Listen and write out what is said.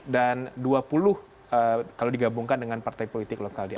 dan dua puluh kalau digabungkan dengan partai politik lokal di ac